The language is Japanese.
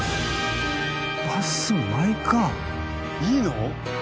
いいの？